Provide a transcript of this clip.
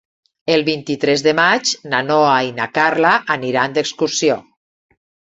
El vint-i-tres de maig na Noa i na Carla aniran d'excursió.